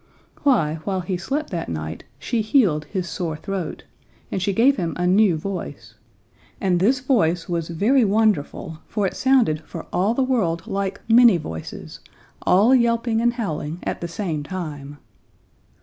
Why, while he slept that night, she healed his sore throat, and she gave him a new voice; and this voice was very wonderful, for it sounded for all the world like many voices, all yelping and howling at the same time.